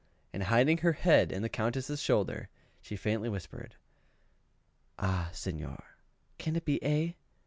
and hiding her head in the Countess' shoulder, she faintly whispered, "Ah, Signor, can it be A?"